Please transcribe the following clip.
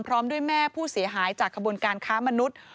พร้อมด้วยแม่ผู้เสียหายจากขบวนการค้ามนุษย์